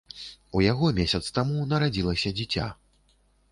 У яго месяц таму нарадзілася дзіця.